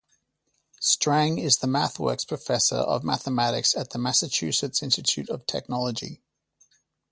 Strang is the MathWorks Professor of Mathematics at the Massachusetts Institute of Technology.